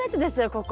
ここ。